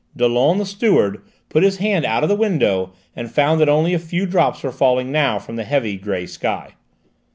Dollon, the steward, put his hand out of the window and found that only a few drops were falling now from the heavy grey sky.